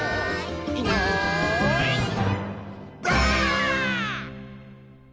はい。